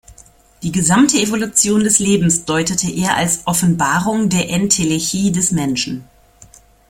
Die gesamte Evolution des Lebens deutete er als „Offenbarung der Entelechie des Menschen“.